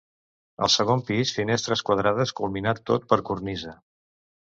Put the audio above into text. Al segon pis finestres quadrades culminat tot per cornisa.